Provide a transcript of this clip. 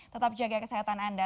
tetap jaga kesehatan anda